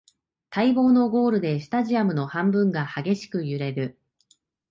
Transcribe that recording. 待望のゴールでスタジアムの半分が激しく揺れる